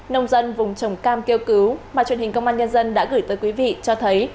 nông dân vùng trồng cam kêu cứu mà truyền hình công an nhân dân đã gửi tới quý vị cho thấy